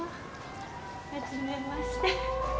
初めまして。